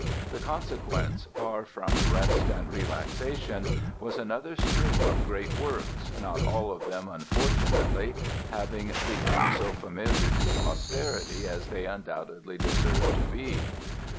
The consequence, far from rest and relaxation, was another stream of great works not all of them, unfortunately, having become as familiar to posterity as they undoubtedly deserve to be.